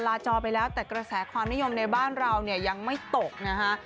จอไปแล้วแต่กระแสความนิยมในบ้านเราเนี่ยยังไม่ตกนะฮะ